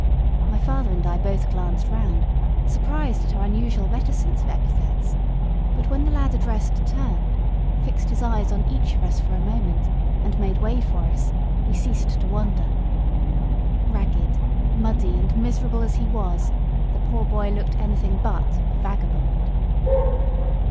My father and I both glanced round, surprised at her unusual reticence of epithets: but when the lad addressed turned, fixed his eyes on each of us for a moment, and made way for us, we ceased to wonder. Ragged, muddy, and miserable as he was, the poor boy looked anything but a "vagabond."